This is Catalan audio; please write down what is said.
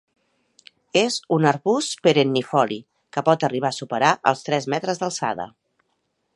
És un arbust perennifoli, que pot arribar a superar els tres metres d'alçada.